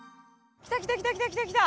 来た来た来た来た来た来た！